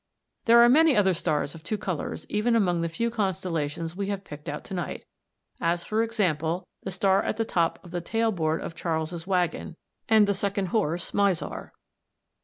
There are many other stars of two colours even among the few constellations we have picked out to night, as, for example, the star at the top of the tailboard of Charles's Waggon and the second horse Mizar.